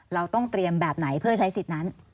เราต้องเตรียมแบบไหนเพื่อใช้สิทธิ์นั้น